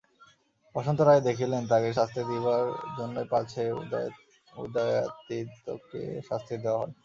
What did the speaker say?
বসন্ত রায় দেখিলেন, তাঁহাকে শাস্তি দিবার জন্যই পাছে উদয়াদিত্যকে শাস্তি দেওয়া হয়।